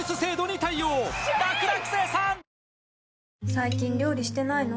最近料理してないの？